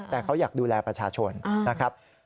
แต่เขาอยากดูแลประชาชนนะครับ